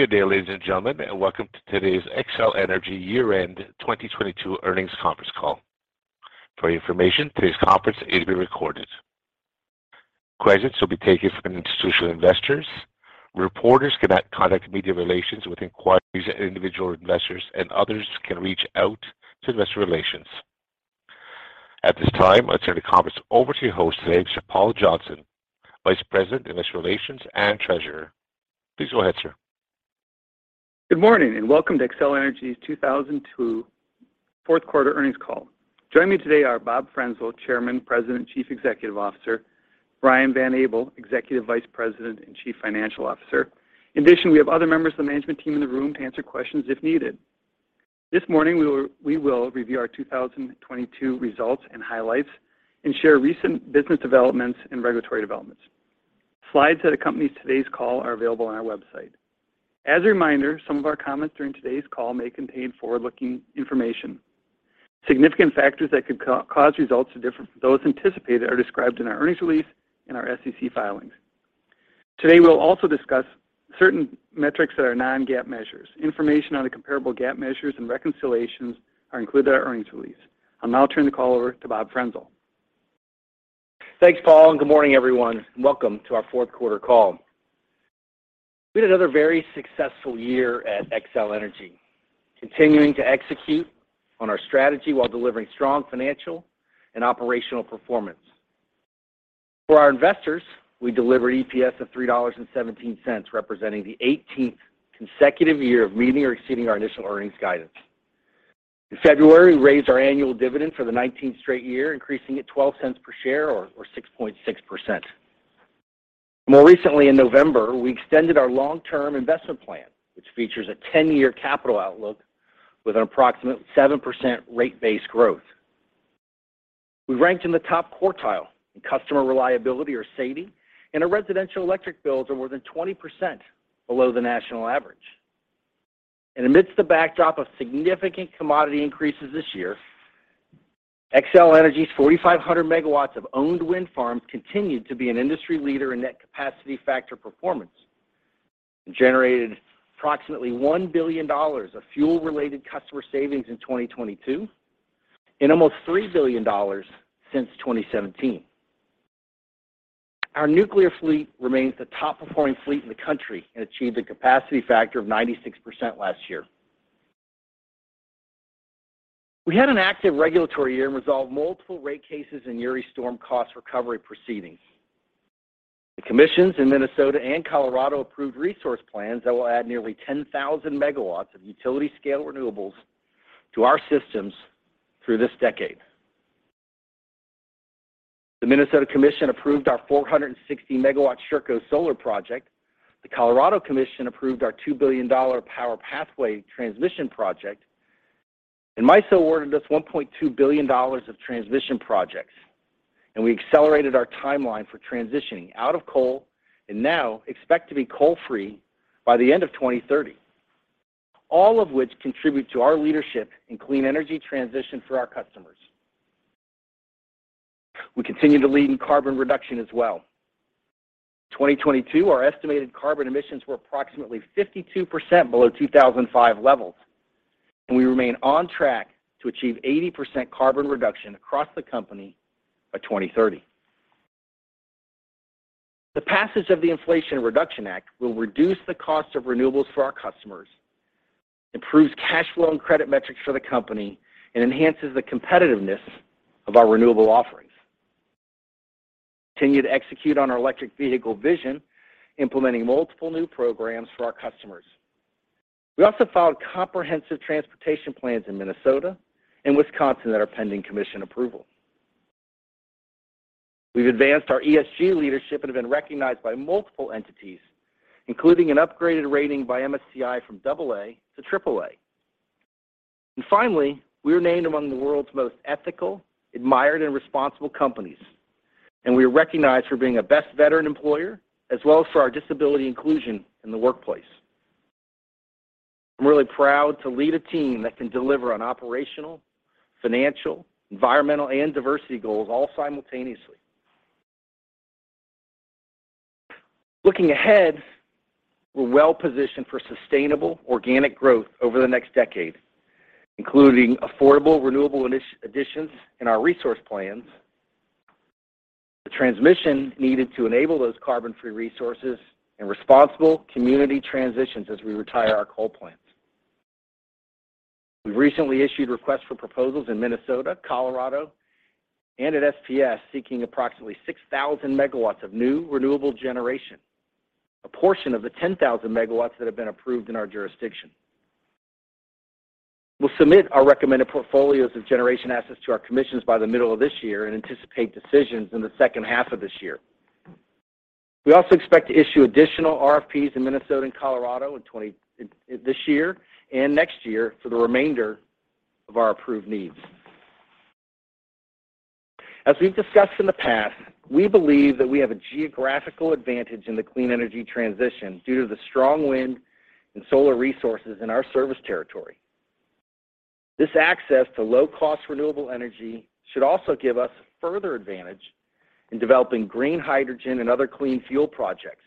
Good day, ladies and gentlemen, welcome to today's Xcel Energy Year-End 2022 Earnings Conference Call. For your information, today's conference is being recorded. Questions will be taken from institutional investors. Reporters can contact media relations with inquiries, and individual investors and others can reach out to investor relations. At this time, I turn the conference over to your host today, Paul Johnson, Vice President, Investor Relations, and Treasurer. Please go ahead, sir. Good morning, welcome to Xcel Energy's 2022 fourth quarter earnings call. Joining me today are Bob Frenzel, Chairman, President, Chief Executive Officer, Brian Van Abel, Executive Vice President and Chief Financial Officer. In addition, we have other members of the management team in the room to answer questions if needed. This morning, we will review our 2022 results and highlights and share recent business developments and regulatory developments. Slides that accompany today's call are available on our website. As a reminder, some of our comments during today's call may contain forward-looking information. Significant factors that could cause results to differ from those anticipated are described in our earnings release and our SEC filings. Today, we'll also discuss certain metrics that are non-GAAP measures. Information on the comparable GAAP measures and reconciliations are included in our earnings release. I'll now turn the call over to Bob Frenzel. Thanks, Paul, and good morning, everyone. Welcome to our fourth quarter call. We had another very successful year at Xcel Energy, continuing to execute on our strategy while delivering strong financial and operational performance. For our investors, we delivered EPS of $3.17, representing the 18th consecutive year of meeting or exceeding our initial earnings guidance. In February, we raised our annual dividend for the 19th straight year, increasing it $0.12 per share or 6.6%. More recently, in November, we extended our long-term investment plan, which features a 10-year capital outlook with an approximate 7% rate-based growth. We ranked in the top quartile in customer reliability or SAIDI, and our residential electric bills are more than 20% below the national average. Amidst the backdrop of significant commodity increases this year, Xcel Energy's 4,500 megawatts of owned wind farms continued to be an industry leader in net capacity factor performance, and generated approximately $1 billion of fuel-related customer savings in 2022 and almost $3 billion since 2017. Our nuclear fleet remains the top-performing fleet in the country and achieved a capacity factor of 96% last year. We had an active regulatory year and resolved multiple rate cases in Uri storm cost recovery proceedings. The commissions in Minnesota and Colorado approved resource plans that will add nearly 10,000 megawatts of utility-scale renewables to our systems through this decade. The Minnesota Commission approved our 460 megawatt Sherco Solar project. The Colorado Commission approved our $2 billion Power Pathway transmission project. MISO awarded us $1.2 billion of transmission projects. We accelerated our timeline for transitioning out of coal and now expect to be coal-free by the end of 2030. All of which contribute to our leadership in clean energy transition for our customers. We continue to lead in carbon reduction as well. In 2022, our estimated carbon emissions were approximately 52% below 2005 levels, and we remain on track to achieve 80% carbon reduction across the company by 2030. The passage of the Inflation Reduction Act will reduce the cost of renewables for our customers, improves cash flow and credit metrics for the company, and enhances the competitiveness of our renewable offerings. We continue to execute on our electric vehicle vision, implementing multiple new programs for our customers. We also filed comprehensive transportation plans in Minnesota and Wisconsin that are pending commission approval. We've advanced our ESG leadership and have been recognized by multiple entities, including an upgraded rating by MSCI from AA to AAA. Finally, we were named among the world's most ethical, admired, and responsible companies, and we were recognized for being a best veteran employer as well as for our disability inclusion in the workplace. I'm really proud to lead a team that can deliver on operational, financial, environmental, and diversity goals all simultaneously. Looking ahead, we're well positioned for sustainable organic growth over the next decade, including affordable renewable additions in our resource plans, the transmission needed to enable those carbon-free resources and responsible community transitions as we retire our coal plants. We've recently issued requests for proposals in Minnesota, Colorado, and at SPS, seeking approximately 6,000 megawatts of new renewable generation, a portion of the 10,000 megawatts that have been approved in our jurisdiction. We'll submit our recommended portfolios of generation assets to our commissions by the middle of this year and anticipate decisions in the second half of this year. We also expect to issue additional RFPs in Minnesota and Colorado this year and next year for the remainder of our approved needs. As we've discussed in the past, we believe that we have a geographical advantage in the clean energy transition due to the strong wind and solar resources in our service territory. This access to low-cost renewable energy should also give us further advantage in developing green hydrogen and other clean fuel projects,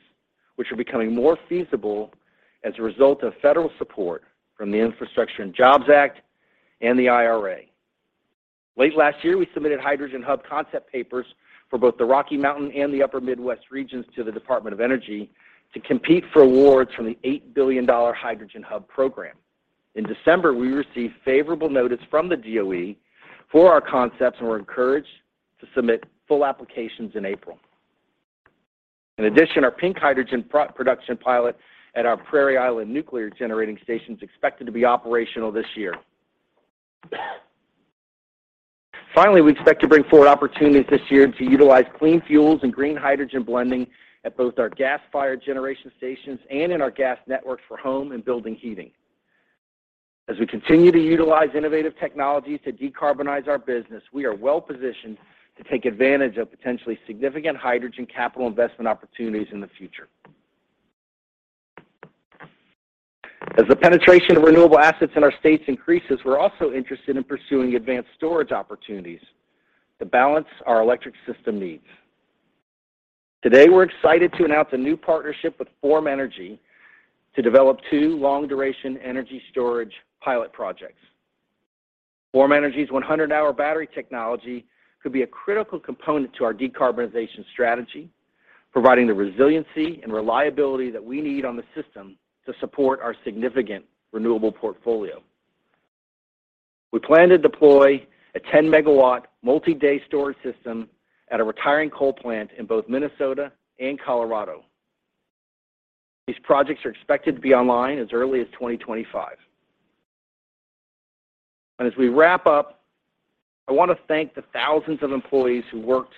which are becoming more feasible as a result of federal support from the Infrastructure Investment and Jobs Act and the IRA. Late last year, we submitted hydrogen hub concept papers for both the Rocky Mountain and the Upper Midwest regions to the Department of Energy to compete for awards from the $8 billion hydrogen hub program. In December, we received favorable notice from the DOE for our concepts, and we're encouraged to submit full applications in April. In addition, our pink hydrogen pro-production pilot at our Prairie Island Nuclear Generating Station is expected to be operational this year. Finally, we expect to bring forward opportunities this year to utilize clean fuels and green hydrogen blending at both our gas-fired generation stations and in our gas networks for home and building heating. As we continue to utilize innovative technologies to decarbonize our business, we are well-positioned to take advantage of potentially significant hydrogen capital investment opportunities in the future. As the penetration of renewable assets in our states increases, we're also interested in pursuing advanced storage opportunities to balance our electric system needs. Today, we're excited to announce a new partnership with Form Energy to develop two long-duration energy storage pilot projects. Form Energy's 100-hour battery technology could be a critical component to our decarbonization strategy, providing the resiliency and reliability that we need on the system to support our significant renewable portfolio. We plan to deploy a 10-megawatt multi-day storage system at a retiring coal plant in both Minnesota and Colorado. These projects are expected to be online as early as 2025. As we wrap up, I want to thank the thousands of employees who worked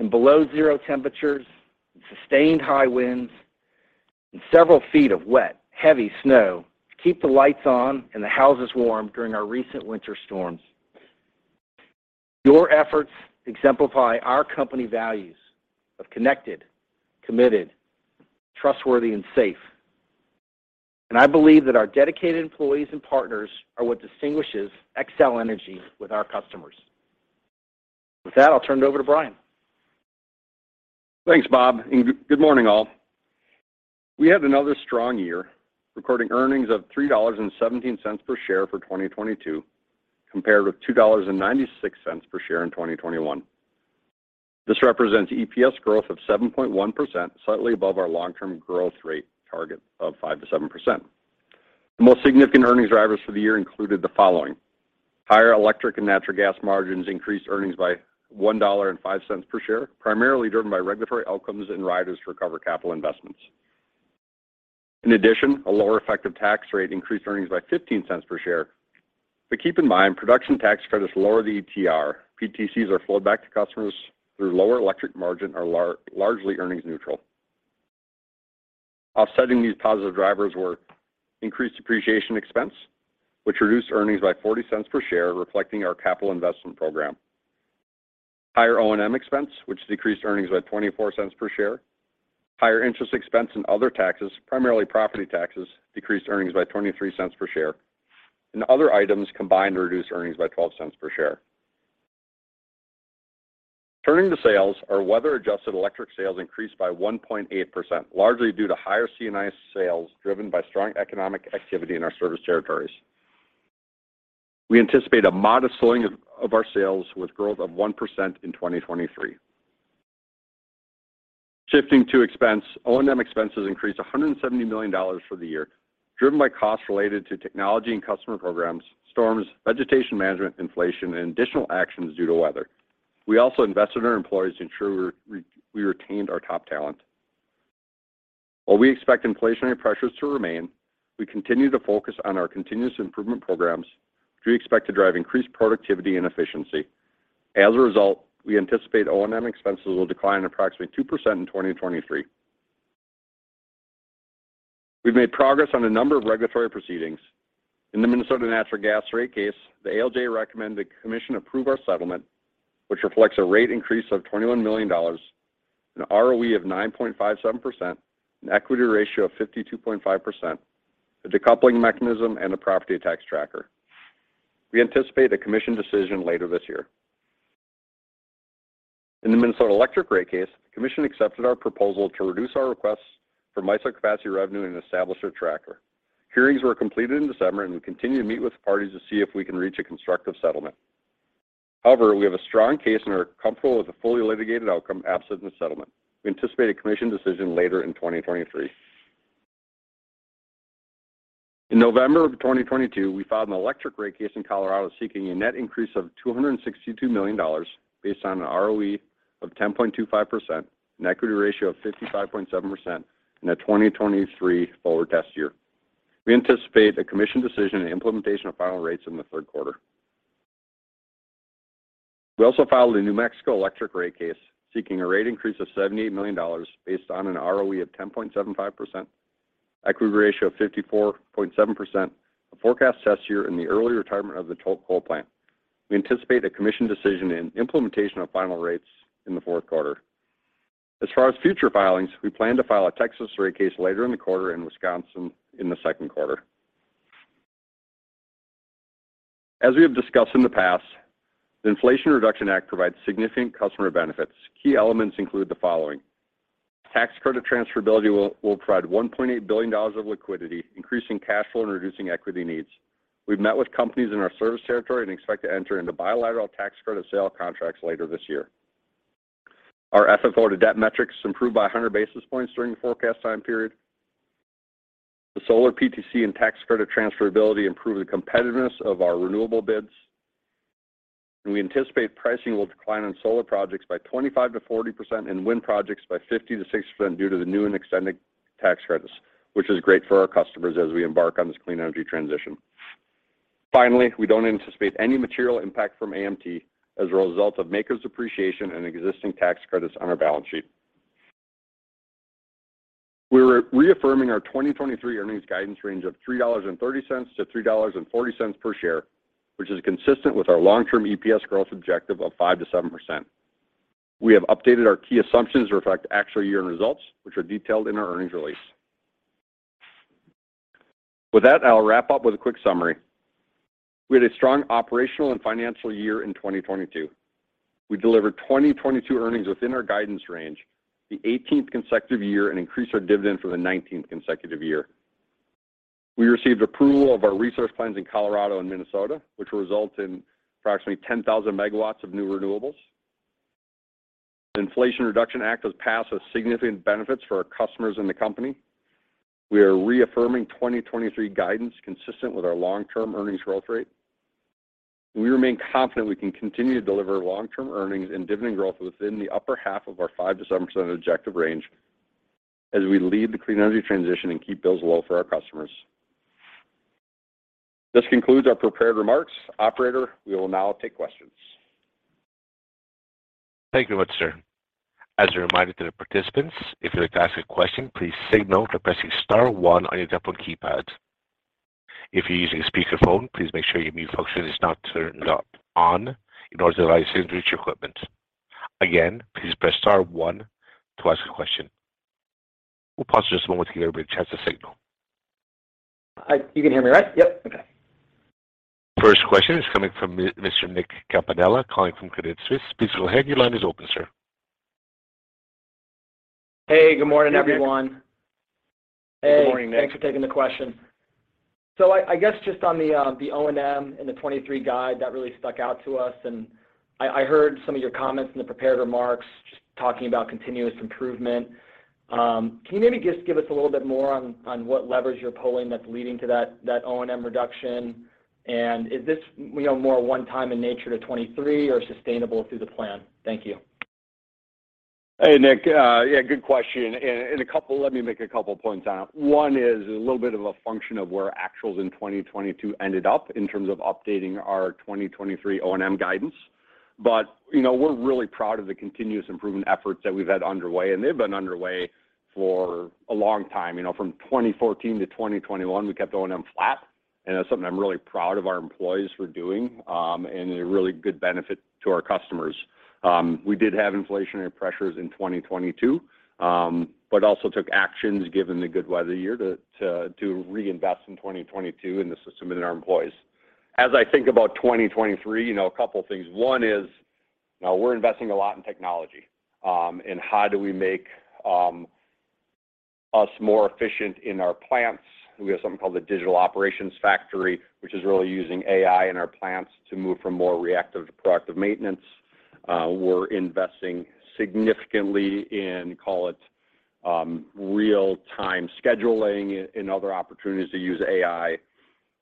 in below Zero temperatures and sustained high winds and several feet of wet, heavy snow to keep the lights on and the houses warm during our recent winter storms. Your efforts exemplify our company values of connected, committed, trustworthy, and safe. I believe that our dedicated employees and partners are what distinguishes Xcel Energy with our customers. With that, I'll turn it over to Brian. Thanks, Bob, and good morning, all. We had another strong year, recording earnings of $3.17 per share for 2022, compared with $2.96 per share in 2021. This represents EPS growth of 7.1%, slightly above our long-term growth rate target of 5%-7%. The most significant earnings drivers for the year included the following. Higher electric and natural gas margins increased earnings by $1.05 per share, primarily driven by regulatory outcomes and riders to recover capital investments. In addition, a lower effective tax rate increased earnings by $0.15 per share. Keep in mind, Production Tax Credits lower the ETR. PTCs are flowed back to customers through lower electric margin are largely earnings neutral. Offsetting these positive drivers were increased depreciation expense, which reduced earnings by $0.40 per share, reflecting our capital investment program. Higher O&M expense, which decreased earnings by $0.24 per share. Higher interest expense and other taxes, primarily property taxes, decreased earnings by $0.23 per share. Other items combined to reduce earnings by $0.12 per share. Turning to sales, our weather-adjusted electric sales increased by 1.8%, largely due to higher C&I sales driven by strong economic activity in our service territories. We anticipate a modest slowing of our sales with growth of 1% in 2023. Shifting to expense, O&M expenses increased $170 million for the year, driven by costs related to technology and customer programs, storms, vegetation management, inflation, and additional actions due to weather. We also invested in our employees to ensure we retained our top talent. While we expect inflationary pressures to remain, we continue to focus on our continuous improvement programs, which we expect to drive increased productivity and efficiency. As a result, we anticipate O&M expenses will decline approximately 2% in 2023. We've made progress on a number of regulatory proceedings. In the Minnesota Natural Gas Rate Case, the ALJ recommended the commission approve our settlement, which reflects a rate increase of $21 million, an ROE of 9.57%, an equity ratio of 52.5%, a decoupling mechanism, and a property tax tracker. We anticipate a commission decision later this year. In the Minnesota Electric Rate Case, the commission accepted our proposal to reduce our requests for MISO capacity revenue and establish a tracker. Hearings were completed in December. We continue to meet with parties to see if we can reach a constructive settlement. However, we have a strong case and are comfortable with a fully litigated outcome absent a settlement. We anticipate a commission decision later in 2023. In November of 2022, we filed an electric rate case in Colorado seeking a net increase of $262 million based on an ROE of 10.25%, an equity ratio of 55.7%, and a 2023 forward test year. We anticipate a commission decision and implementation of final rates in the third quarter. We also filed a New Mexico electric rate case seeking a rate increase of $78 million based on an ROE of 10.75%, equity ratio of 54.7%, a forecast test year in the early retirement of the Tolk coal plant. We anticipate a commission decision and implementation of final rates in the fourth quarter. As far as future filings, we plan to file a Texas rate case later in the quarter in Wisconsin in the second quarter. As we have discussed in the past, the Inflation Reduction Act provides significant customer benefits. Key elements include the following: Tax credit transferability will provide $1.8 billion of liquidity, increasing cash flow, and reducing equity needs. We've met with companies in our service territory and expect to enter into bilateral tax credit sale contracts later this year. Our FFO to debt metrics improved by 100 basis points during the forecast time period. The solar PTC and tax credit transferability improve the competitiveness of our renewable bids. We anticipate pricing will decline on solar projects by 25%-40% and wind projects by 50%-60% due of the new and extended tax credits, which is great for our customers as we embark on this clean energy transition. Finally, we don't anticipate any material impact from AMT as a result of MACRS depreciation and existing tax credits on our balance sheet. We're reaffirming our 2023 earnings guidance range of $3.30-$3.40 per share, which is consistent with our long-term EPS growth objective of 5%-7%. We have updated our key assumptions to reflect the actual year-end results, which are detailed in our earnings release. I'll wrap up with a quick summary. We had a strong operational and financial year in 2022. We delivered 2022 earnings within our guidance range, the 18th consecutive year, and increased our dividend for the 19th consecutive year. We received approval of our resource plans in Colorado and Minnesota, which will result in approximately 10,000 megawatts of new renewables. The Inflation Reduction Act was passed with significant benefits for our customers and the company. We are reaffirming 2023 guidance consistent with our long-term earnings growth rate. We remain confident we can continue to deliver long-term earnings and dividend growth within the upper half of our 5%-7% objective range as we lead the clean energy transition and keep bills low for our customers. This concludes our prepared remarks. Operator, we will now take questions. Thank you much, sir. As a reminder to the participants, if you'd like to ask a question, please signal by pressing star one on your telephone keypad. If you're using a speakerphone, please make sure your mute function is not turned up on in order to allow signals to reach your equipment. Again, please press star one to ask a question. We'll pause just a moment to give everybody a chance to signal. You can hear me, right? Yep. Okay. First question is coming from Mr. Nicholas Campanella, calling from Credit Suisse. Please go ahead. Your line is open, sir. Hey, good morning, everyone. Good morning, Nick. Hey, thanks for taking the question. I guess just on the O&M and the 23 guide, that really stuck out to us and I heard some of your comments in the prepared remarks just talking about continuous improvement. Can you maybe just give us a little bit more on what levers you're pulling that's leading to that O&M reduction? Is this, you know, more one time in nature to 2023 or sustainable through the plan? Thank you. Hey, Nick. Yeah, good question. Let me make a couple points on it. One is a little bit of a function of where actuals in 2022 ended up in terms of updating our 2023 O&M guidance. You know, we're really proud of the continuous improvement efforts that we've had underway, and they've been underway for a long time. You know, from 2014 to 2021, we kept O&M flat, and that's something I'm really proud of our employees for doing, and a really good benefit to our customers. We did have inflationary pressures in 2022, but also took actions given the good weather year to reinvest in 2022 in the system and in our employees. As I think about 2023, you know, a couple things. One is, you know, we're investing a lot in technology, and how do we make us more efficient in our plants. We have something called the Digital Operations Factory, which is really using AI in our plants to move from more reactive to productive maintenance. We're investing significantly in, call it, real-time scheduling and other opportunities to use AI.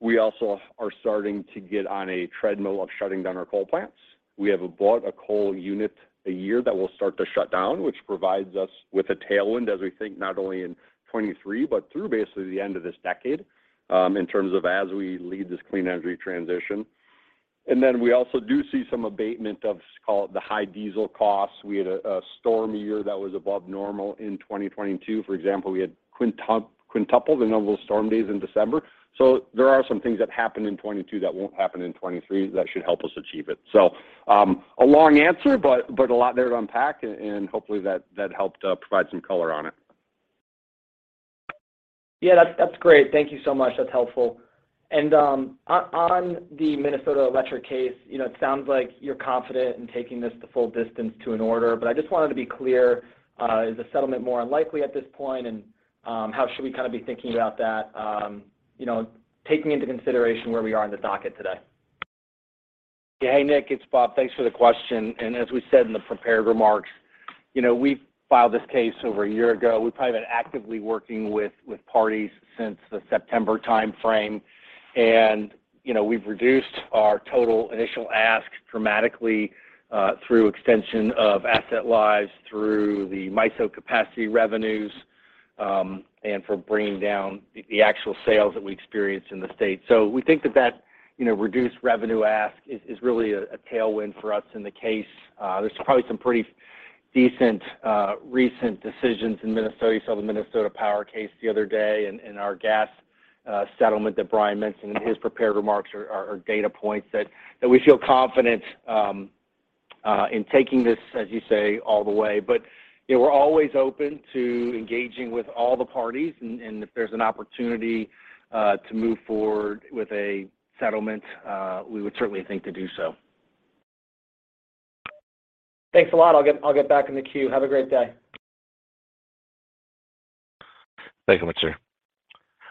We also are starting to get on a treadmill of shutting down our coal plants. We have about a coal unit a year that will start to shut down, which provides us with a tailwind as we think not only in 2023, but through basically the end of this decade, in terms of as we lead this clean energy transition. We also do see some abatement of, call it, the high diesel costs. We had a storm year that was above normal in 2022. For example, we had quintuple the number of storm days in December. There are some things that happened in 2022 that won't happen in 2023 that should help us achieve it. A long answer, but a lot there to unpack and hopefully that helped provide some color on it. Yeah. That's great. Thank you so much. That's helpful. On the Minnesota Electric case, you know, it sounds like you're confident in taking this the full distance to an order. I just wanted to be clear, is the settlement more unlikely at this point? How should we kind of be thinking about that, you know, taking into consideration where we are in the docket today? Hey, Nick. It's Bob. Thanks for the question. As we said in the prepared remarks, you know, we filed this case over a year ago. We've probably been actively working with parties since the September timeframe. You know, we've reduced our total initial ask dramatically, through extension of asset lives, through the MISO capacity revenues, and for bringing down the actual sales that we experienced in the state. We think that, you know, reduced revenue ask is really a tailwind for us in the case. There's probably some pretty decent recent decisions in Minnesota. You saw the Minnesota Power case the other day in our gas Settlement that Brian mentioned in his prepared remarks or data points that we feel confident in taking this, as you say, all the way. You know, we're always open to engaging with all the parties, and if there's an opportunity to move forward with a settlement, we would certainly think to do so. Thanks a lot. I'll get back in the queue. Have a great day. Thank you much, sir.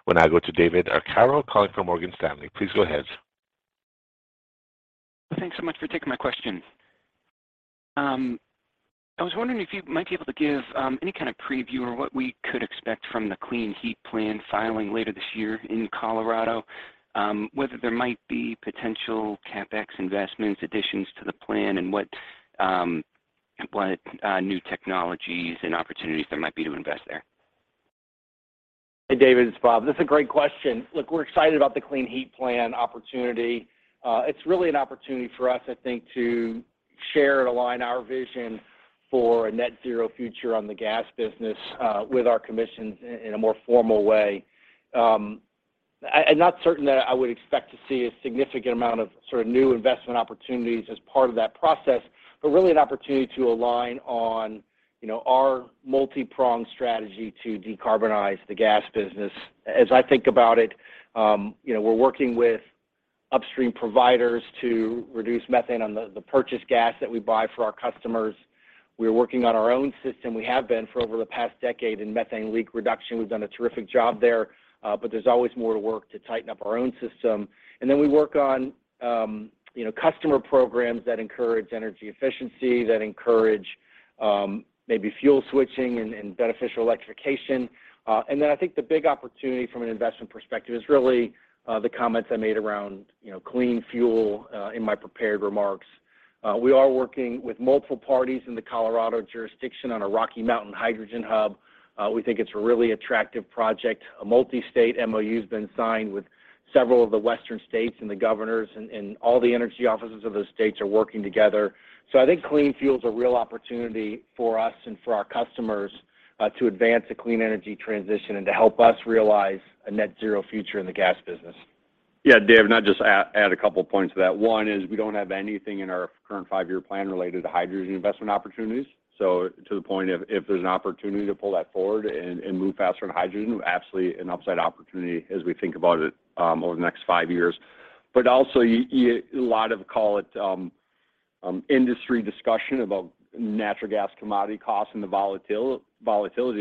We'll now go to David Arcaro calling from Morgan Stanley. Please go ahead. Thanks so much for taking my question. I was wondering if you might be able to give any kind of preview or what we could expect from the Clean Heat Plan filing later this year in Colorado, whether there might be potential CapEx investments, additions to the plan, and what new technologies and opportunities there might be to invest there? Hey, David, it's Bob. That's a great question. It's really an opportunity for us, I think, to share and align our vision for a net zero future on the gas business, with our commissions in a more formal way. I'm not certain that I would expect to see a significant amount of sort of new investment opportunities as part of that process, but really an opportunity to align on, you know, our multipronged strategy to decarbonize the gas business. As I think about it, you know, we're working with upstream providers to reduce methane on the purchase gas that we buy for our customers. We're working on our own system. We have been for over the past decade in methane leak reduction. We've done a terrific job there, but there's always more to work to tighten up our own system. We work on, you know, customer programs that encourage energy efficiency, that encourage, maybe fuel switching and beneficial electrification. I think the big opportunity from an investment perspective is really, the comments I made around, you know, clean fuel, in my prepared remarks. We are working with multiple parties in the Colorado jurisdiction on a Western Inter-State Hydrogen Hub. We think it's a really attractive project. A multi-state MOU has been signed with several of the Western states and the governors, and all the energy offices of those states are working together. I think clean fuel is a real opportunity for us and for our customers, to advance the clean energy transition and to help us realize a net zero future in the gas business. Yeah, Dave, I'll just add a couple points to that. One is we don't have anything in our current five-year plan related to hydrogen investment opportunities. To the point of if there's an opportunity to pull that forward and move faster on hydrogen, absolutely an upside opportunity as we think about it over the next five years. Also a lot of, call it, industry discussion about natural gas commodity costs and the volatility.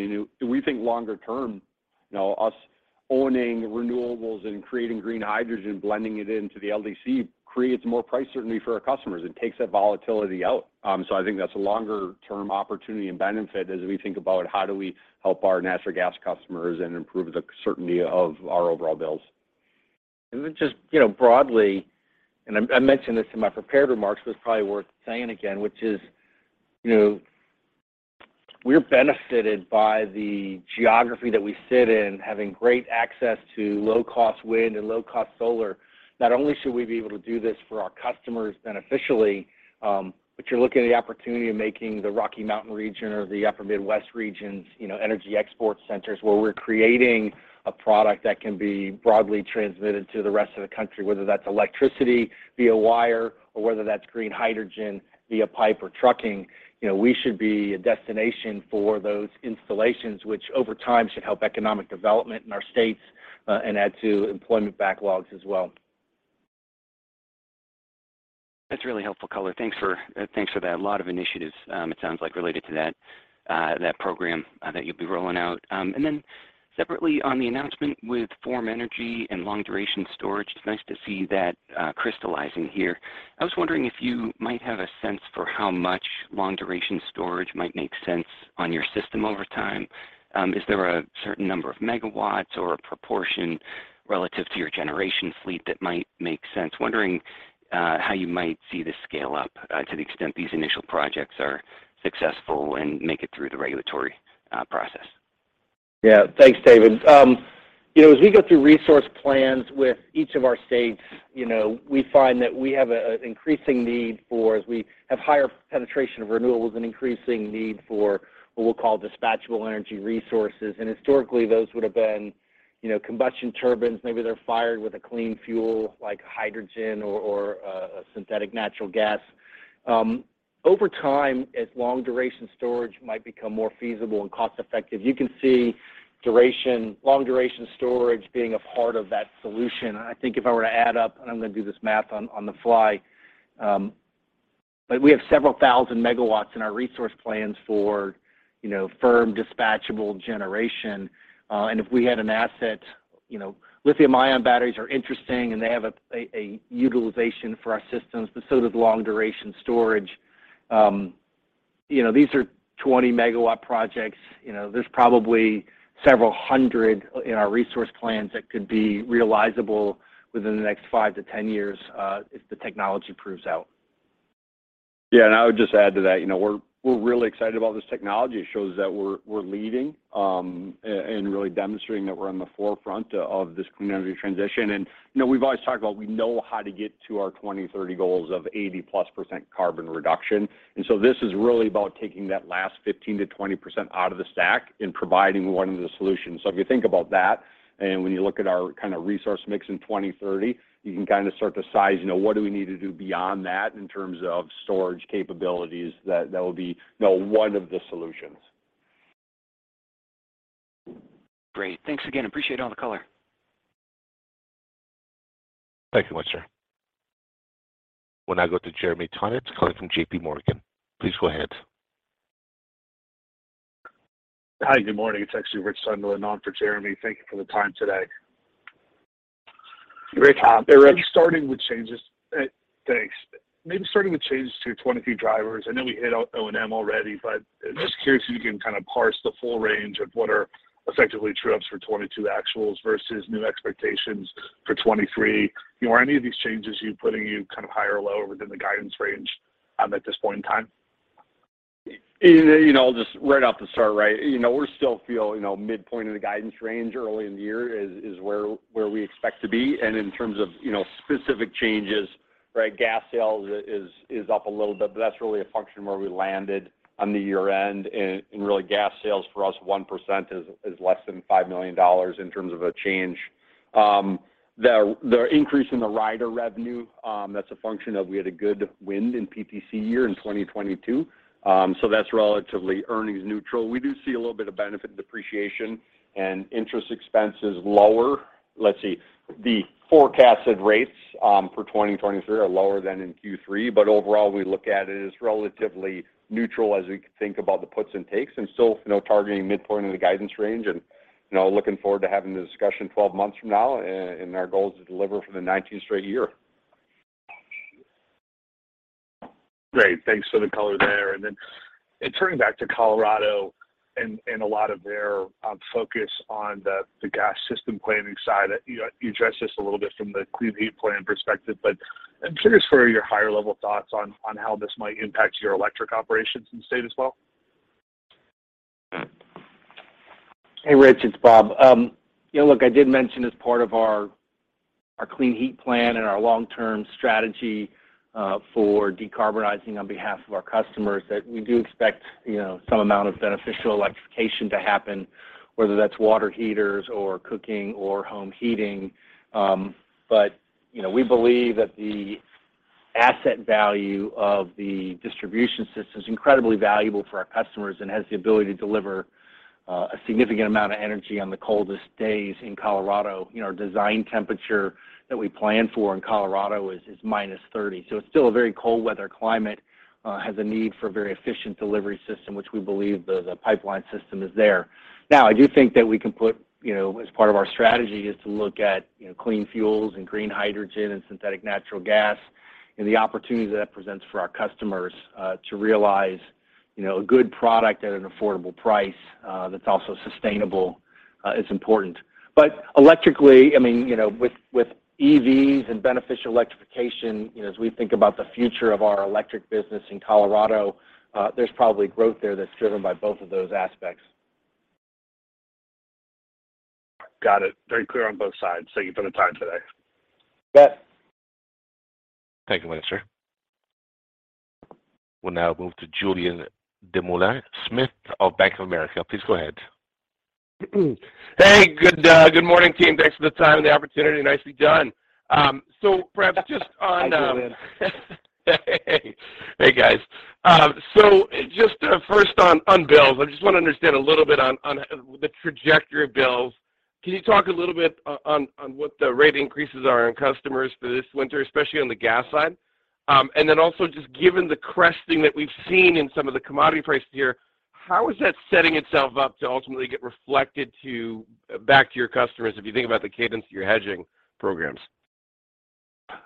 You know, we think longer term, you know, us owning renewables and creating green hydrogen, blending it into the LDC creates more price certainty for our customers. It takes that volatility out. I think that's a longer-term opportunity and benefit as we think about how do we help our natural gas customers and improve the certainty of our overall bills. Just, you know, broadly, I mentioned this in my prepared remarks, but it's probably worth saying again, which is, you know, we're benefited by the geography that we sit in, having great access to low-cost wind and low-cost solar. Not only should we be able to do this for our customers beneficially, but you're looking at the opportunity of making the Rocky Mountain region or the Upper Midwest regions, you know, energy export centers where we're creating a product that can be broadly transmitted to the rest of the country, whether that's electricity via wire or whether that's green hydrogen via pipe or trucking. You know, we should be a destination for those installations, which over time should help economic development in our states, and add to employment backlogs as well. That's really helpful color. Thanks for, thanks for that. A lot of initiatives, it sounds like related to that program, that you'll be rolling out. Separately on the announcement with Form Energy and long-duration storage, it's nice to see that, crystallizing here. I was wondering if you might have a sense for how much long-duration storage might make sense on your system over time. Is there a certain number of megawatts or a proportion relative to your generation fleet that might make sense? Wondering, how you might see this scale up, to the extent these initial projects are successful and make it through the regulatory process? Yeah. Thanks, David. You know, as we go through resource plans with each of our states, you know, we find that we have a, an increasing need for as we have higher penetration of renewables, an increasing need for what we'll call dispatchable energy resources. Historically, those would've been, you know, combustion turbines. Maybe they're fired with a clean fuel like hydrogen or, synthetic natural gas. Over time, as long-duration storage might become more feasible and cost-effective, you can see long-duration storage being a part of that solution. I think if I were to add up, and I'm gonna do this math on the fly, but we have several thousand megawatts in our resource plans for, you know, firm dispatchable generation. If we had an asset, you know lithium-ion batteries are interesting, and they have a utilization for our systems, but so does long-duration storage. You know, these are 20-megawatt projects. You know, there's probably several hundred in our resource plans that could be realizable within the next five to 10 years, if the technology proves out. I would just add to that, you know, we're really excited about this technology. It shows that we're leading and really demonstrating that we're on the forefront of this clean energy transition. You know, we've always talked about we know how to get to our 2030 goals of 80+% carbon reduction. This is really about taking that last 15%-20% out of the stack and providing one of the solutions. If you think about that, and when you look at our kind of resource mix in 2030, you can kind of start to size, you know, what do we need to do beyond that in terms of storage capabilities that will be, you know, one of the solutions. Great. Thanks again. Appreciate all the color. Thank you much, sir. We'll now go to Jeremy Tonet calling from JPMorgan. Please go ahead. Hi. Good morning. It's actually Richard Sundling on for Jeremy. Thank you for the time today. Great to have you, Rich. Thanks. Maybe starting with changes to 2023 drivers. I know we hit O&M already, but just curious if you can kind of parse the full range of what are effectively true ups for 2022 actuals versus new expectations for 2023. You know, are any of these changes you're putting you kind of higher or lower within the guidance range at this point in time? You know, just right off the start, right, you know, we still feel, you know, midpoint of the guidance range early in the year is where we expect to be. In terms of, you know, specific changes, right, gas sales is up a little bit, but that's really a function of where we landed on the year-end. Really gas sales for us, 1% is less than $5 million in terms of a change. The increase in the rider revenue, that's a function of we had a good wind and PTC year in 2022, so that's relatively earnings neutral. We do see a little bit of benefit in depreciation and interest expense is lower. Let's see. The forecasted rates for 2023 are lower than in Q3, but overall, we look at it as relatively neutral as we think about the puts and takes and still, you know, targeting midpoint of the guidance range and, you know, looking forward to having the discussion 12 months from now, and our goal is to deliver for the 19th straight year. Great. Thanks for the color there. Then turning back to Colorado and a lot of their focus on the gas system planning side. You addressed this a little bit from the Clean Heat Plan perspective, but I'm curious for your higher level thoughts on how this might impact your electric operations in the state as well. Hey, Rich. It's Bob. You know, look, I did mention as part of our Clean Heat Plan and our long-term strategy for decarbonizing on behalf of our customers that we do expect, you know, some amount of beneficial electrification to happen, whether that's water heaters or cooking or home heating. You know, we believe that the asset value of the distribution system is incredibly valuable for our customers and has the ability to deliver a significant amount of energy on the coldest days in Colorado. You know, our design temperature that we plan for in Colorado is -30. It's still a very cold weather climate, has a need for very efficient delivery system, which we believe the pipeline system is there. I do think that we can put, you know, as part of our strategy is to look at, you know, clean fuels and green hydrogen and synthetic natural gas and the opportunities that presents for our customers, to realize, you know, a good product at an affordable price, that's also sustainable, is important. Electrically, I mean, you know, with EVs and beneficial electrification, you know, as we think about the future of our electric business in Colorado, there's probably growth there that's driven by both of those aspects. Got it. Very clear on both sides. Thank you for the time today. You bet. Thank you, sir. We'll now move to Julien Dumoulin-Smith of Bank of America. Please go ahead. Hey. Good, good morning, team. Thanks for the time and the opportunity. Nicely done. Perhaps just on. Hi, Julien. Hey. Hey, guys. Just first on bills. I just want to understand a little bit on the trajectory of bills. Can you talk a little bit on what the rate increases are on customers for this winter, especially on the gas side? Also just given the cresting that we've seen in some of the commodity prices here, how is that setting itself up to ultimately get reflected to back to your customers if you think about the cadence of your hedging programs?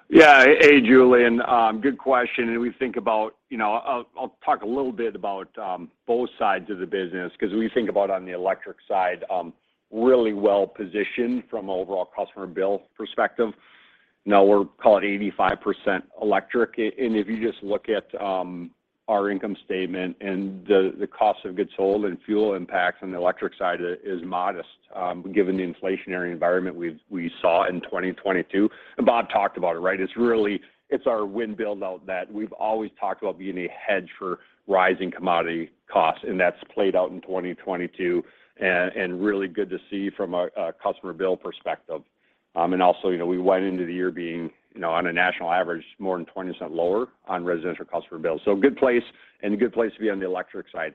Yeah. Hey, Julien. Good question. We think about, you know, I'll talk a little bit about both sides of the business because we think about on the electric side, really well positioned from an overall customer bill perspective. You know, we're call it 85% electric. If you just look at our income statement and the cost of goods sold and fuel impacts on the electric side is modest, given the inflationary environment we've, we saw in 2022. Bob talked about it, right? It's really our wind build out that we've always talked about being a hedge for rising commodity costs, and that's played out in 2022 and really good to see from a customer bill perspective. Also, you know, we went into the year being, you know, on a national average more than 20% lower on residential customer bills. Good place and a good place to be on the electric side.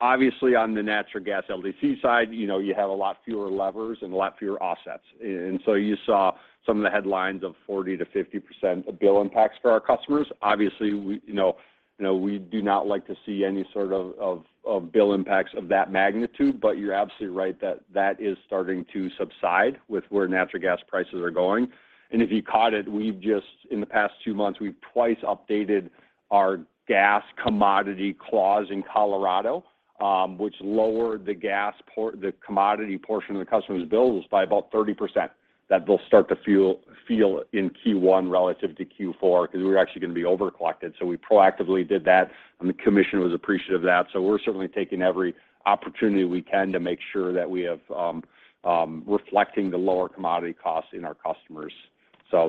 Obviously on the natural gas LDC side, you know, you have a lot fewer levers and a lot fewer offsets. You saw some of the headlines of 40%-50% of bill impacts for our customers. Obviously, we, you know, we do not like to see any sort of bill impacts of that magnitude, but you're absolutely right that that is starting to subside with where natural gas prices are going. If you caught it, in the past 2 months, we've twice updated our gas commodity clause in Colorado, which lowered the commodity portion of the customer's bills by about 30%. That they'll start to feel in Q1 relative to Q4, because we were actually gonna be over collected. We proactively did that, and the commission was appreciative of that. We're certainly taking every opportunity we can to make sure that we have reflecting the lower commodity costs in our customers.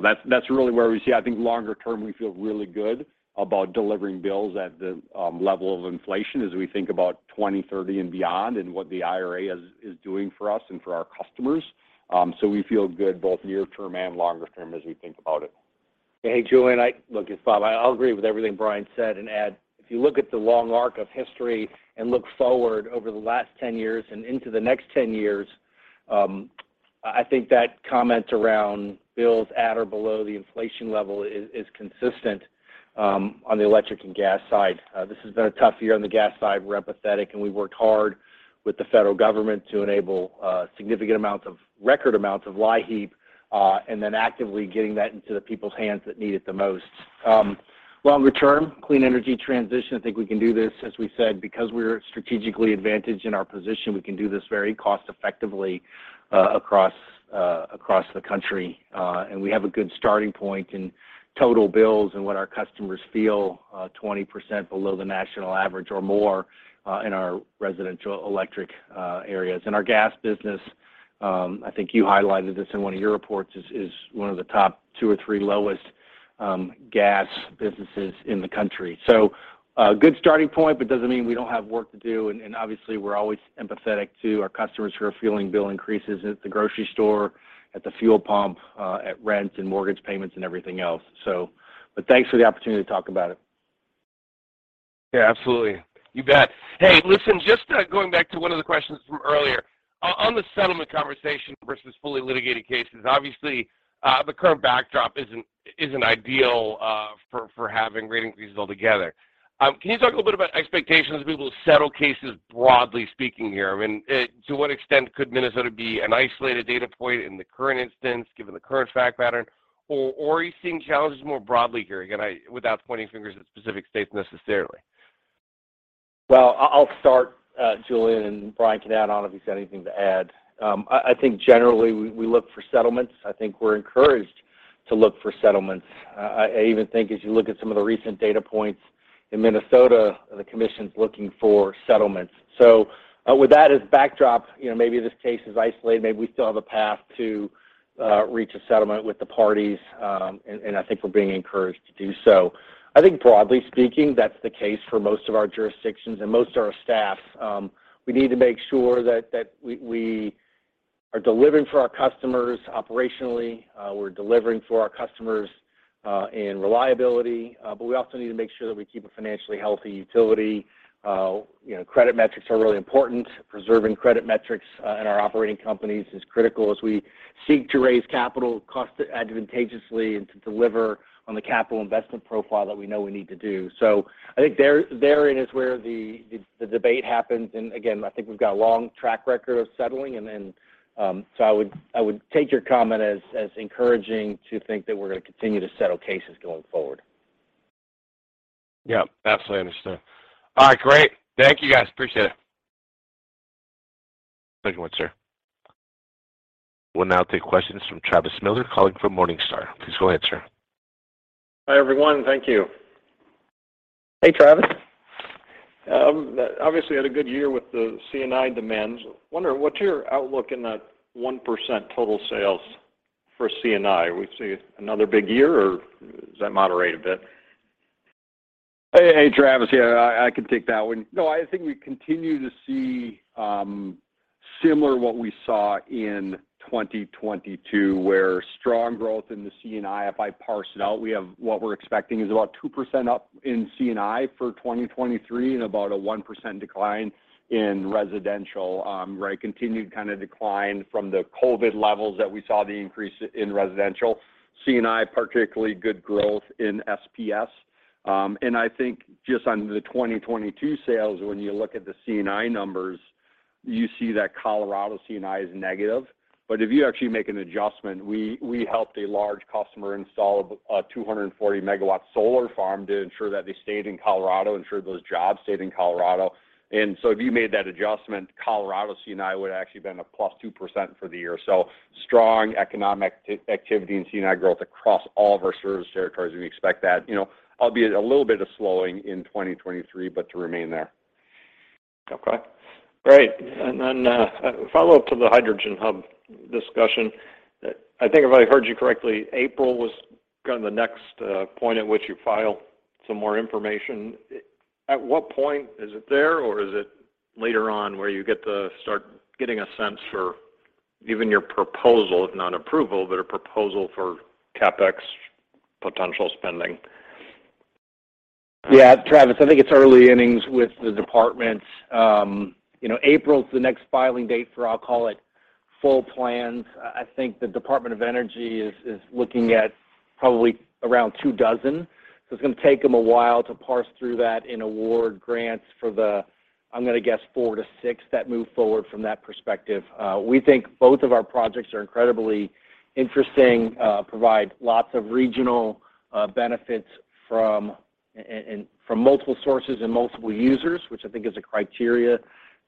That's really where we see. I think longer term, we feel really good about delivering bills at the level of inflation as we think about 2030 and beyond and what the IRA is doing for us and for our customers. We feel good both near term and longer term as we think about it. Hey, Julien. Look, it's Bob. I'll agree with everything Brian said and add, if you look at the long arc of history and look forward over the last 10 years and into the next 10 years, I think that comment around bills at or below the inflation level is consistent on the electric and gas side. This has been a tough year on the gas side. We're empathetic, and we worked hard with the federal government to enable record amounts of LIHEAP, and then actively getting that into the people's hands that need it the most. Longer term, clean energy transition, I think we can do this, as we said, because we're strategically advantaged in our position. We can do this very cost effectively across the country. We have a good starting point in total bills and what our customers feel, 20% below the national average or more, in our residential electric, areas. Our gas business, I think you highlighted this in one of your reports, is one of the top two or three lowest, gas businesses in the country. A good starting point, but doesn't mean we don't have work to do. Obviously, we're always empathetic to our customers who are feeling bill increases at the grocery store, at the fuel pump, at rent and mortgage payments and everything else. Thanks for the opportunity to talk about it. Yeah, absolutely. You bet. Hey, listen, just going back to one of the questions from earlier. On the settlement conversation versus fully litigated cases, obviously, the current backdrop isn't ideal for having rating fees altogether. Can you talk a little bit about expectations to be able to settle cases, broadly speaking here? I mean, to what extent could Minnesota be an isolated data point in the current instance, given the current fact pattern? Or are you seeing challenges more broadly here? Again, without pointing fingers at specific states necessarily. Well, I'll start, Julien, and Brian can add on if he's got anything to add. I think generally we look for settlements. I think we're encouraged to look for settlements. I even think as you look at some of the recent data points in Minnesota, the commission's looking for settlements. With that as backdrop, you know, maybe this case is isolated, maybe we still have a path to reach a settlement with the parties. I think we're being encouraged to do so. I think broadly speaking, that's the case for most of our jurisdictions and most of our staff. We need to make sure that we are delivering for our customers operationally. We're delivering for our customers in reliability. We also need to make sure that we keep a financially healthy utility. You know, credit metrics are really important. Preserving credit metrics in our operating companies is critical as we seek to raise capital cost advantageously and to deliver on the capital investment profile that we know we need to do. I think there, therein is where the, the debate happens. Again, I think we've got a long track record of settling. I would take your comment as encouraging to think that we're gonna continue to settle cases going forward. Yeah, absolutely understood. All right, great. Thank you, guys. Appreciate it. Thank you, sir. We'll now take questions from Travis Miller calling from Morningstar. Please go ahead, sir. Hi, everyone. Thank you. Hey, Travis. Obviously had a good year with the C&I demands. Wondering what's your outlook in that 1% total sales for C&I? We see another big year, or does that moderate a bit? Hey, hey, Travis. Yeah, I can take that one. I think we continue to see similar what we saw in 2022, where strong growth in the C&I. If I parse it out, we have what we're expecting is about 2% up in C&I for 2023 and about a 1% decline in residential, where a continued kinda decline from the COVID levels that we saw the increase in residential. C&I, particularly good growth in SPS. I think just on the 2022 sales, when you look at the C&I numbers, you see that Colorado C&I is negative. If you actually make an adjustment, we helped a large customer install a 240 megawatt solar farm to ensure that they stayed in Colorado, ensure those jobs stayed in Colorado. if you made that adjustment, Colorado C&I would actually been +2% for the year. strong economic activity and C&I growth across all of our service territories. We expect that, you know, albeit a little bit of slowing in 2023, but to remain there. Okay, great. A follow-up to the Hydrogen Hub discussion. I think if I heard you correctly, April was kinda the next point at which you file some more information. At what point? Is it there, or is it later on where you get to start getting a sense for even your proposal, if not approval, but a proposal for CapEx potential spending? Travis, I think it's early innings with the department. You know, April's the next filing date for, I'll call it, full plans. I think the Department of Energy is looking at probably around two dozen. It's gonna take them a while to parse through that and award grants for the, I'm gonna guess, four to six that move forward from that perspective. We think both of our projects are incredibly interesting, provide lots of regional benefits from From multiple sources and multiple users, which I think is a criteria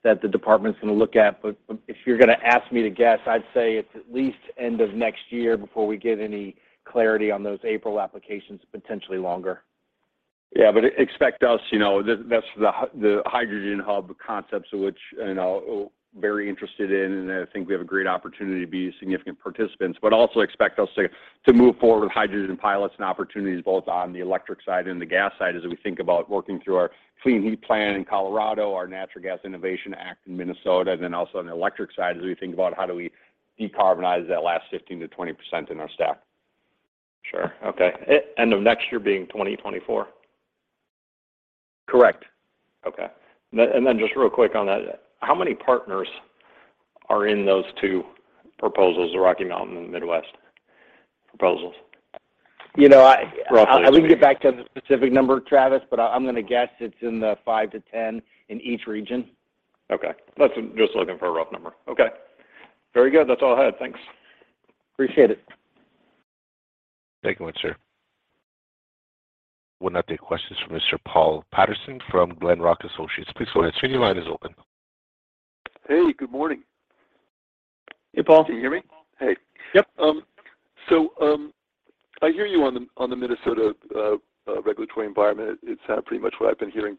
that the Department's gonna look at. If you're gonna ask me to guess, I'd say it's at least end of next year before we get any clarity on those April applications, potentially longer. Expect us, you know. That's the hydrogen hub concepts of which, you know, very interested in, I think we have a great opportunity to be significant participants. Also expect us to move forward with hydrogen pilots and opportunities both on the electric side and the gas side as we think about working through our Clean Heat Plan in Colorado, our Natural Gas Innovation Act in Minnesota, also on the electric side as we think about how do we decarbonize that last 15%-20% in our stack. Sure. Okay. End of next year being 2024? Correct. Okay. Just real quick on that. How many partners are in those two proposals, the Rocky Mountain and the Midwest proposals? You know, Roughly, I mean. I'll need to get back to the specific number, Travis, but I'm gonna guess it's in the five to 10 in each region. Okay. I'm just looking for a rough number. Okay. Very good. That's all I had. Thanks. Appreciate it. Thank you much, sir. We'll now take questions from Mr. Paul Patterson from Glenrock Associates. Please go ahead. Your line is open. Hey, good morning. Hey, Paul. Can you hear me? Hey. Yep. I hear you on the Minnesota regulatory environment. It's pretty much what I've been hearing.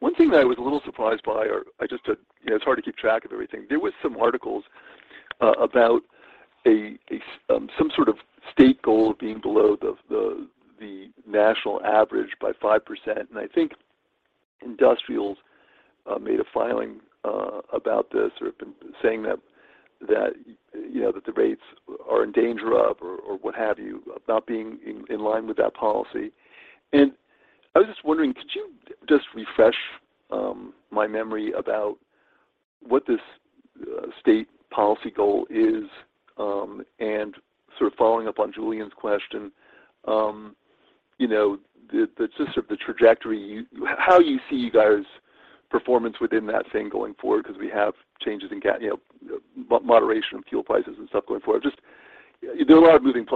One thing that I was a little surprised by, or I just, you know, it's hard to keep track of everything. There was some articles about a some sort of state goal being below the national average by 5%. I think industrials made a filing about this or have been saying that, you know, that the rates are in danger of or what have you, of not being in line with that policy. I was just wondering, could you just refresh my memory about what this state policy goal is? Sort of following up on Julien's question, you know, the just sort of the trajectory how you see you guys' performance within that thing going forward because we have changes in gas, you know, moderation of fuel prices and stuff going forward. Just there are a lot of moving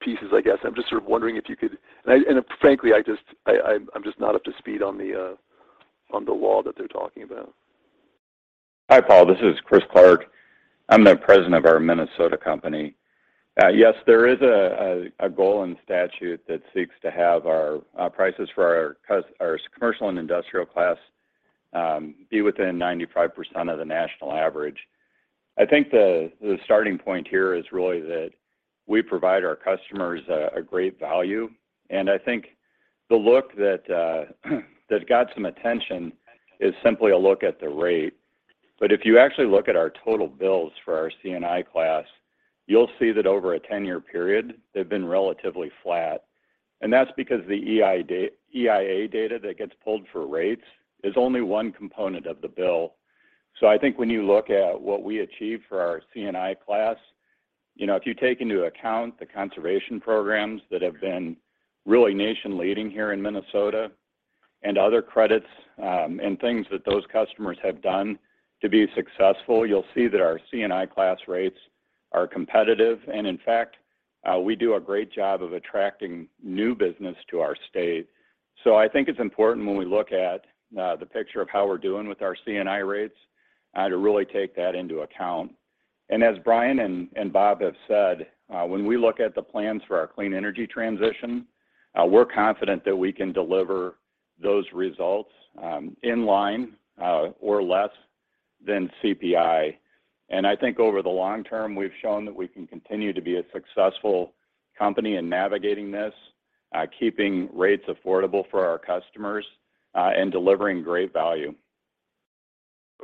pieces, I guess. I'm just sort of wondering if you could. Frankly, I just, I'm just not up to speed on the law that they're talking about. Hi, Paul. This is Chris Clark. I'm the president of our Minnesota company. Yes, there is a goal in statute that seeks to have our prices for our commercial and industrial class be within 95% of the national average. I think the starting point here is really that we provide our customers a great value, and I think the look that got some attention is simply a look at the rate. If you actually look at our total bills for our C&I class, you'll see that over a 10-year period, they've been relatively flat. That's because the EIA data that gets pulled for rates is only one component of the bill. I think when you look at what we achieve for our C&I class, you know, if you take into account the conservation programs that have been really nation leading here in Minnesota and other credits, and things that those customers have done to be successful, you'll see that our C&I class rates are competitive. In fact, we do a great job of attracting new business to our state. I think it's important when we look at the picture of how we're doing with our C&I rates, to really take that into account. As Brian and Bob have said, when we look at the plans for our clean energy transition, we're confident that we can deliver those results in line or less than CPI. I think over the long term, we've shown that we can continue to be a successful company in navigating this, keeping rates affordable for our customers, and delivering great value.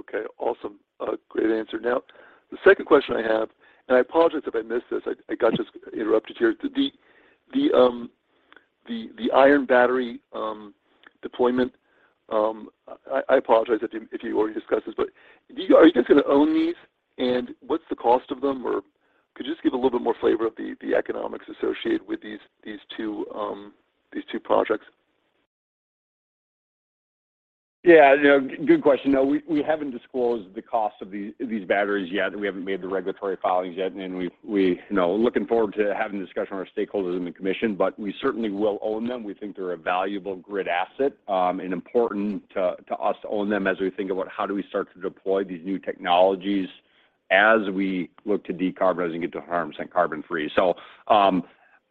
Okay, awesome. A great answer. The second question I have, and I apologize if I missed this. I got just interrupted here. The iron battery deployment, I apologize if you already discussed this, but are you guys gonna own these? What's the cost of them? Could you just give a little bit more flavor of the economics associated with these two projects? Yeah. You know, good question. No, we haven't disclosed the cost of these batteries yet. We haven't made the regulatory filings yet. We, you know, looking forward to having a discussion with our stakeholders and the commission, but we certainly will own them. We think they're a valuable grid asset, and important to us to own them as we think about how do we start to deploy these new technologies as we look to decarbonize and get to harms and carbon free.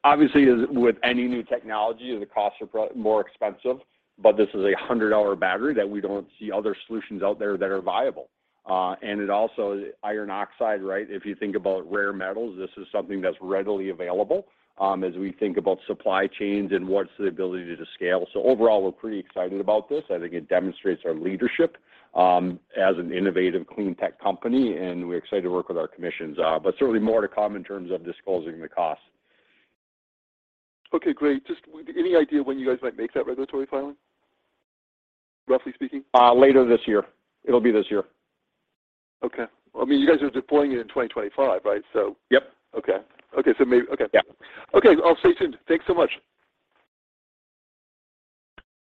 Obviously, as with any new technology, the costs are more expensive, but this is a $100 battery that we don't see other solutions out there that are viable. It also, iron oxide, right? If you think about rare metals, this is something that's readily available, as we think about supply chains and what's the ability to scale. Overall, we're pretty excited about this. I think it demonstrates our leadership, as an innovative clean tech company, and we're excited to work with our commissions. Certainly more to come in terms of disclosing the costs. Okay, great. Just any idea when you guys might make that regulatory filing, roughly speaking? Later this year. It'll be this year. Okay. Well, I mean, you guys are deploying it in 2025, right? Yep. Okay. Okay. Okay. Yeah. Okay. I'll stay tuned. Thanks so much.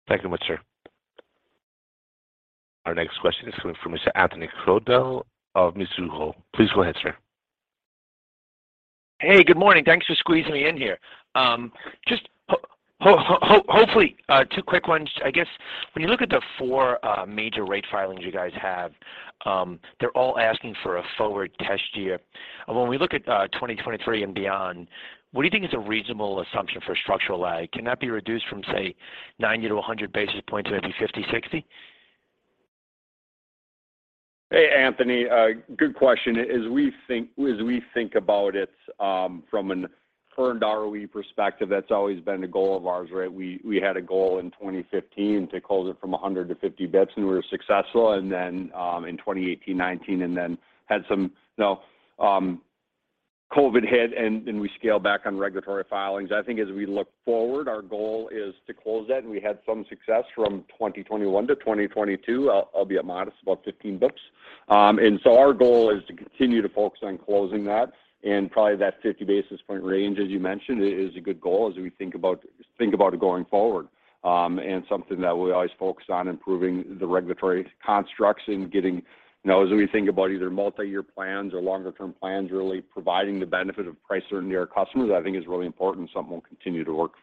Thank you much, sir. Our next question is coming from Mr. Anthony Crowdell of Mizuho. Please go ahead, sir. Hey, good morning. Thanks for squeezing me in here. just hopefully, two quick ones. I guess when you look at the four major rate filings you guys have, they're all asking for a forward test year. When we look at 2023 and beyond, what do you think is a reasonable assumption for structural lag? Can that be reduced from, say, 90 to 100 basis points to maybe 50, 60? Hey, Anthony, good question. As we think about it, from an earned ROE perspective, that's always been a goal of ours, right? We had a goal in 2015 to close it from 100 to 50 basis points, and we were successful. In 2018, 2019, and then had some, you know, COVID hit and we scaled back on regulatory filings. I think as we look forward, our goal is to close that, and we had some success from 2021 to 2022. I'll be modest, about 15 basis points. Our goal is to continue to focus on closing that. Probably that 50 basis point range, as you mentioned, is a good goal as we think about it going forward. Something that we always focus on improving the regulatory constructs and getting, you know, as we think about either multi-year plans or longer term plans, really providing the benefit of price certainty to our customers, I think is really important. Something we'll continue to work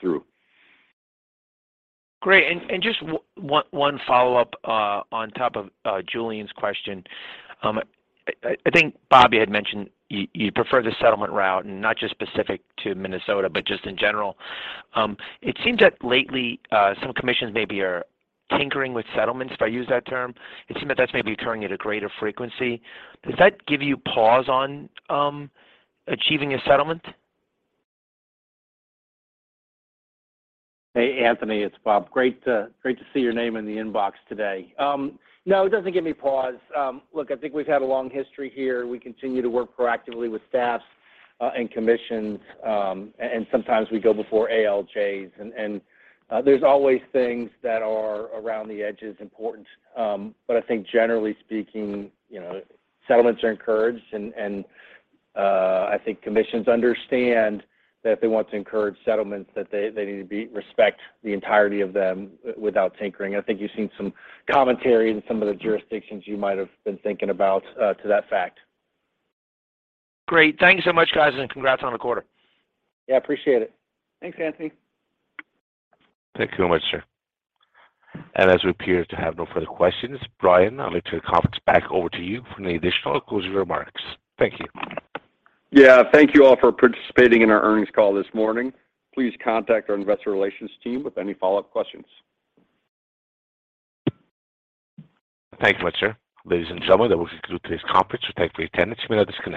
through. Just one follow-up, on top of Julien's question. I think Bob, you prefer the settlement route and not just specific to Minnesota, but just in general. It seems that lately, some commissions maybe are tinkering with settlements, if I use that term. It seems that that's maybe occurring at a greater frequency. Does that give you pause on achieving a settlement? Hey, Anthony, it's Bob. Great to see your name in the inbox today. No, it doesn't give me pause. Look, I think we've had a long history here. We continue to work proactively with staffs and commissions and sometimes we go before ALJs. There's always things that are around the edges important. I think generally speaking, you know, settlements are encouraged and I think commissions understand that if they want to encourage settlements, that they need to be respect the entirety of them without tinkering. I think you've seen some commentary in some of the jurisdictions you might have been thinking about to that fact. Great. Thank you so much, guys. Congrats on the quarter. Yeah, appreciate it. Thanks, Anthony. Thank you very much, sir. As we appear to have no further questions, Brian, I'll turn the conference back over to you for any additional closing remarks. Thank you. Yeah, thank you all for participating in our earnings call this morning. Please contact our investor relations team with any follow-up questions. Thank you much, sir. Ladies and gentlemen, that will conclude today's conference. We thank you for your attendance. You may now disconnect.